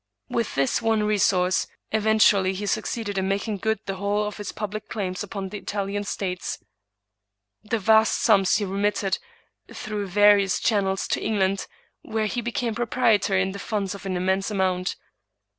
With this one resource, eventually he succeeded in 147 English Mystery Stories making good the whole of his public claims upon the Italian states. These vast sums he remitted, through various chan nels, to England, where he became proprietor in the funds to an immense amount.